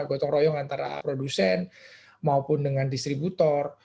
gotong royong antara produsen maupun dengan distributor